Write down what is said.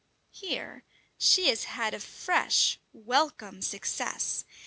Here she has had a fresh, welcome success.